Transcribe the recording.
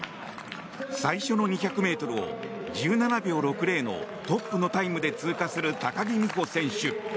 最初の２００ｍを１７秒６０のトップのタイムで通過する高木美帆選手。